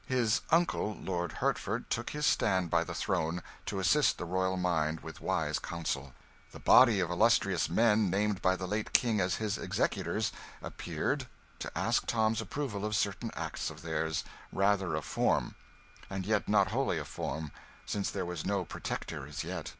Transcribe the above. His 'uncle,' Lord Hertford, took his stand by the throne, to assist the royal mind with wise counsel. The body of illustrious men named by the late King as his executors appeared, to ask Tom's approval of certain acts of theirs rather a form, and yet not wholly a form, since there was no Protector as yet.